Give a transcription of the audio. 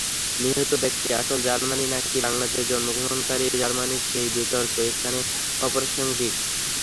নিহত ব্যক্তি আসল জাপানি, নাকি বাংলাদেশে জন্মগ্রহণকারী জাপানি, সেই বিতর্ক এখানে অপ্রাসঙ্গিক।